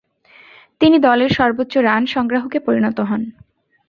তিনি দলের সর্বোচ্চ রান সংগ্রাহকে পরিণত হন।